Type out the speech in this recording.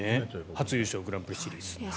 初優勝グランプリシリーズ。